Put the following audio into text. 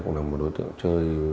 cũng là một đối tượng chơi